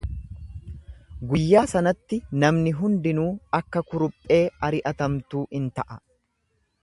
Guyyaa sanatti namni hundinuu akka kuruphee ari’atamtuu in ta’a.